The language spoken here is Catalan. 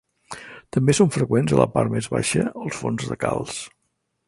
També són freqüents a la part més baixa els forns de calç.